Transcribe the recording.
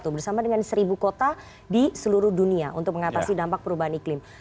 bersama dengan seribu kota di seluruh dunia untuk mengatasi dampak perubahan iklim